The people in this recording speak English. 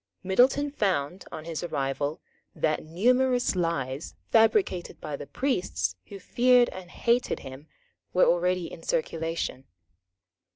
Middleton found, on his arrival, that numerous lies, fabricated by the priests who feared and hated him, were already in circulation.